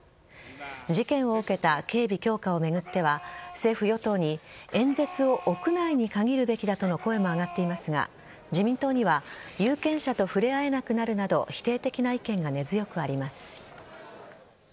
事件を受けた警備強化を巡っては政府与党に演説を屋内に限るべきだとの声も上がっていますが自民党には有権者と触れ合えなくなるなど否定的な意見が根強くあります。